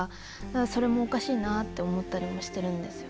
それもおかしいなって思ったりもしてるんですよ。